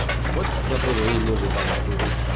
Pots reproduir música a l'estudi?